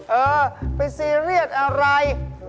เออไปซีเรียสอะไร